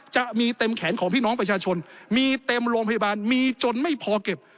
จะมีเต็มแขนของพี่น้องประชาชนมีเต็มโรงพยาบาลมีจนไม่พอเก็บ